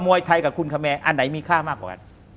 วยไทยกับคุณคะแมร์อันไหนมีค่ามากกว่ากัน